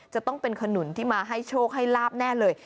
จะต้องเป็นขนุนที่มาให้โชคให้ลาบแน่เลย